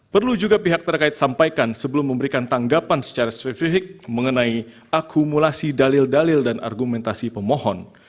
perlu juga pihak terkait sampaikan sebelum memberikan tanggapan secara spesifik mengenai akumulasi dalil dalil dan argumentasi pemohon